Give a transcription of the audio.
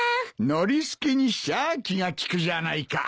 ノリスケにしちゃあ気が利くじゃないか。